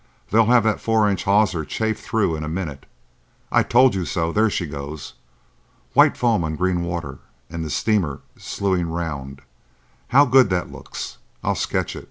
They'll have that four inch hawser chafed through in a minute. I told you so—there she goes! White foam on green water, and the steamer slewing round. How good that looks! I'll sketch it.